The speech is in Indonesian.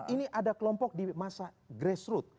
ini ada kelompok di masa grassroot